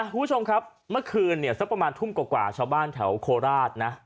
ผู้ชมครับเมื่อคืนสักประมาณทุ่มกว่าชาวบ้านเเผลอโคลาด